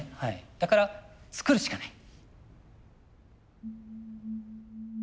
だから作るしかない。